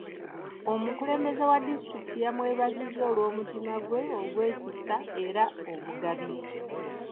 Omukulembeze wa disitulikiti yamwebazizza olw'omutima gwe ogw'ekisa era omugabi.